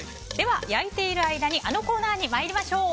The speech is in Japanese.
焼いている間にあのコーナーに参りましょう。